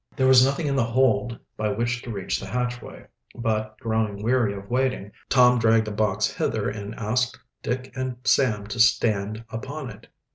There was nothing in the hold by which to reach the hatchway, but, growing weary of waiting, Tom dragged a box hither and asked Dick and Sam to stand upon it.